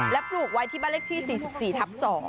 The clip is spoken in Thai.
และปลูกไว้ที่บ้านเลขที่๔๔ทับ๒